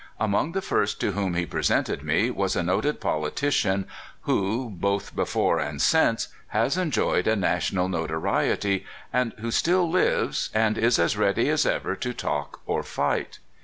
Among the first to whom he pre 17 258 CALIFORNIA SKETCHES. sented me was a noted politician who, both before and since, has enjoyed a national notoriety, and who still lives, and is as ready as ever to talk or fight.